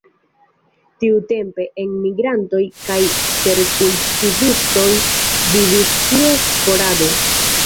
Tiutempe enmigrantoj kaj terkultivistoj vivis tie sporade.